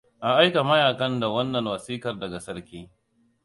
A aika mahayin da wannan wasiƙar daga sarki.